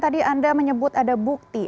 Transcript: tadi anda menyebut ada bukti